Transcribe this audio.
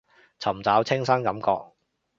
尋找清新感覺